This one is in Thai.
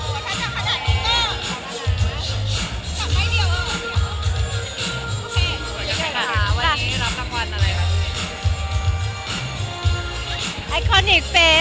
ดูก่อนฉันจะขนาดนี้เนี่ย